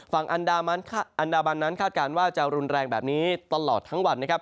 ฝั่งอันดามันคาดการณ์ว่าจะลุงแรงแบบนี้ตลอดทันวัน